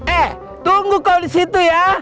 eh tunggu kau disitu ya